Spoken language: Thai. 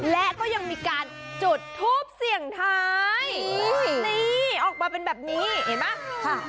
และก็ยังมีการจุดทูปเสี่ยงท้ายนี่ออกมาเป็นแบบนี้เห็นไหม